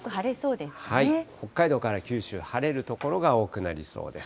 北海道から九州、晴れる所が多くなりそうです。